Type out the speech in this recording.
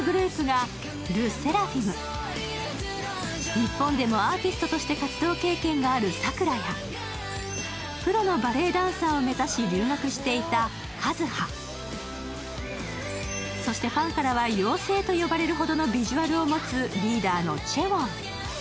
日本でもアーティストとして活動経験があるＳＡＫＵＲＡやプロのバレエダンサーを目指し留学していたＫＡＺＵＨＡ、そしてファンからは妖精と呼ばれるほどのビジュアルを持つリーダーのチェウォン。